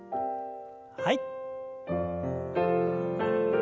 はい。